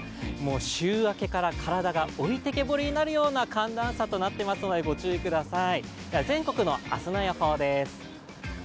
週明けから体が置いてけぼりとなるような寒暖差となっていますので、ご注意ください。